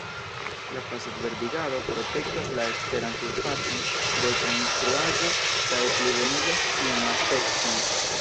La fasad-verdigado protektas la eksteran surfacon de konstruaĵo kaj plibonigas sian aspekton.